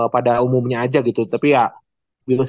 pada umumnya aja gitu tapi ya